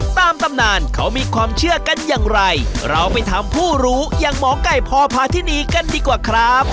ตำนานเขามีความเชื่อกันอย่างไรเราไปถามผู้รู้อย่างหมอไก่พอพาทินีกันดีกว่าครับ